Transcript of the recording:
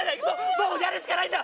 もうやるしかないんだ！